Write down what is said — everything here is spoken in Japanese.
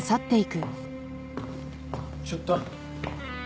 ちょっと！